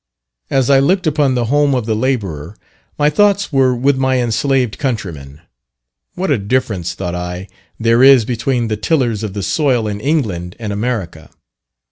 As I looked upon the home of the labourer, my thoughts were with my enslaved countrymen. What a difference, thought I, there is between the tillers of the soil in England and America.